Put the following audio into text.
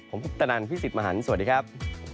ผมพุทธนันพี่สิทธิ์มหันฯสวัสดีครับ